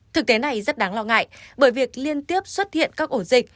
thực tế này rất đáng lo ngại bởi việc liên tiếp xuất hiện các ổ dịch